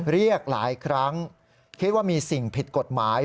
เรียกหลายครั้งคิดว่ามีสิ่งผิดกฎหมาย